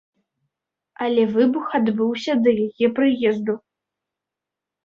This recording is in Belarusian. Але выбух адбыўся да яе прыезду.